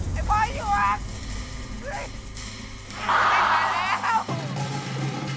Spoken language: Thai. มันมาอีก๓เลยเหรอวะเนี่ย